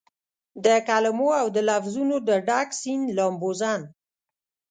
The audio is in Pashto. دکلمو اودلفظونو دډک سیند لامبوزن